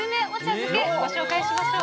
漬けご紹介しましょう。